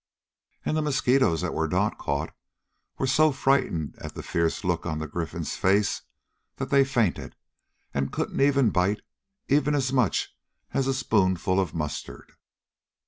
And the mosquitoes that were not caught were so frightened at the fierce look on the Gryphon's face that they fainted, and couldn't bite even as much as a spoonful of mustard.